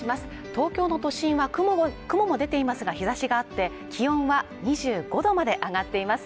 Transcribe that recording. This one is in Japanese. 東京の都心は雲も出ていますが日差しがあって気温は２５度まで上がっています。